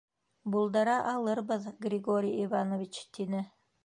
— Булдыра алырбыҙ, Григорий Иванович, — тине.